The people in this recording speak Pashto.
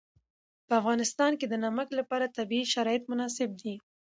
په افغانستان کې د نمک لپاره طبیعي شرایط مناسب دي.